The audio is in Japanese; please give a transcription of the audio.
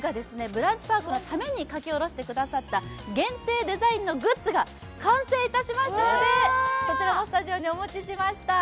さんがＢＲＵＮＣＨＰＡＲＫのために描き下ろしてくださった限定デザインのグッズが完成いたしましたのでそちらもスタジオにお持ちしました。